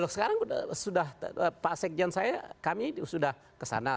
sekarang sudah pak sekjen saya kami sudah kesana